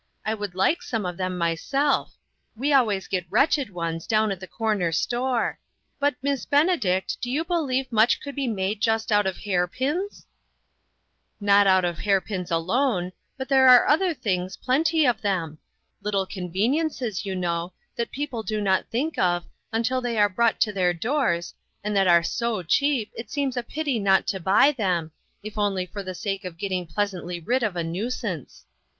" I would like some of them myself; we always get wretched ones down at the corner store. But, Miss Benedict, do you believe much could be made just out of hair pins ?"*' Not out of hair pins alone ; but there are other things, plenty of them ; little con veniences, you know, that people do not think of, until they are brought to their doors, and that are so cheap, it seems a pity not to buy them, if only for the sake of getting pleasantly rid of a nuisance."